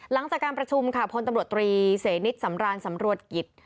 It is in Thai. หลังจากการประชุมค่ะพตตรนิจศตรกิจ